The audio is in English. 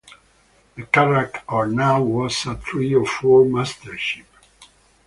The carrack or nau was a three- or four-masted ship.